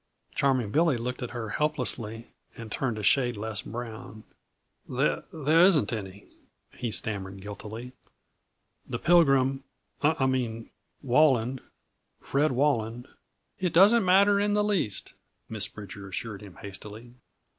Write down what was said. Charming Billy looked at her helplessly, and turned a shade less brown. "The there isn't any," he stammered guiltily. "The Pilgrim I mean Walland Fred Walland " "It doesn't matter in the least," Miss Bridger assured him hastily.